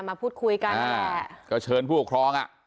มาพูดคุยกันนั่นแหละก็เชิญผู้ปกครองอ่ะ